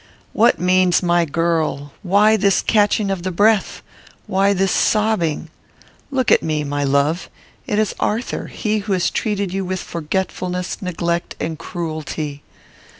"What means my girl? Why this catching of the breath? Why this sobbing? Look at me, my love. It is Arthur, he who has treated you with forgetfulness, neglect, and cruelty."